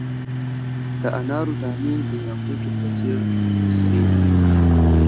د انارو دانې د یاقوتو په څیر سرې دي.